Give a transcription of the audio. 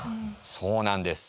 そうなんです。